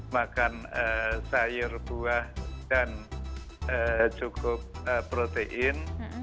makan sayur buah dan cukup protein